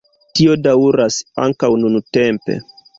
Tio daŭras ankaŭ nuntempe.